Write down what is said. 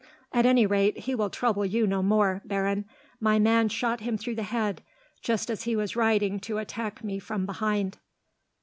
"At any rate, he will trouble you no more, Baron. My man shot him through the head, just as he was riding to attack me from behind."